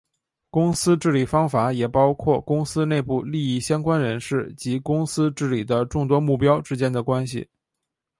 公司治理方法也包括公司内部利益相关人士及公司治理的众多目标之间的关系。